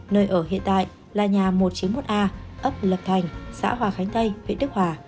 nơi ở hiện tại là nhà một trăm chín mươi một a ấp lập thành xã hòa khánh tây huyện đức hòa